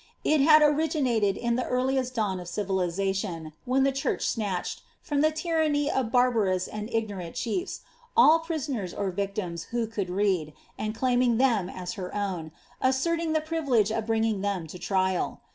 It had originated in the earliest dawn of civilisation, when the cfaarch snatched, from the tyranny of barbarous and ignorant chiefs, all prisonen or victims who could read, and claiming them as her own, asserted the privilege of bringing them to trial.